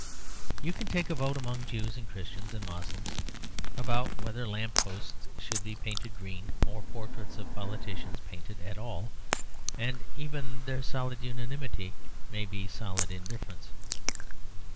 You can take a vote among Jews and Christians and Moslems about whether lamp posts should be painted green or portraits of politicians painted at all, and even their solid unanimity may be solid indifference.